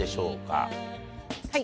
はい。